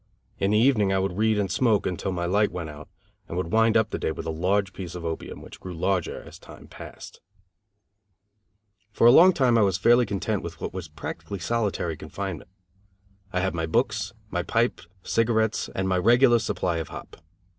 In the evening I would read and smoke until my light went out, and would wind up the day with a large piece of opium, which grew larger, as time passed. For a long time I was fairly content with what was practically solitary confinement. I had my books, my pipe, cigarettes and my regular supply of hop.